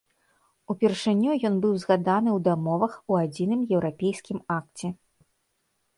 Упершыню ён быў згаданы ў дамовах у адзіным еўрапейскім акце.